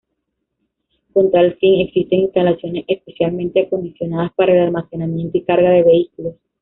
Con tal fin existen instalaciones especialmente acondicionadas para el almacenamiento y carga de vehículos.